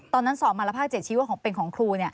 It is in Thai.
ตอนนั้นสอบมารภาค๗ชี้ว่าเป็นของครู